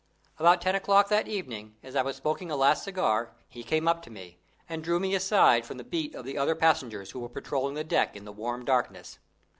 About ten o'clock that evening, as I was smoking a last cigar, he came up to me, and drew me aside from the beat of the other passengers who were patrolling the deck in the warm darkness.